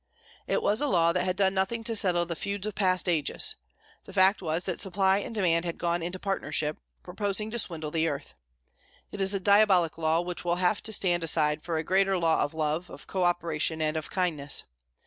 It was a law that had done nothing to settle the feuds of past ages. The fact was that supply and demand had gone into partnership, proposing to swindle the earth. It is a diabolic law which will have to stand aside for a greater law of love, of co operation, and of kindness.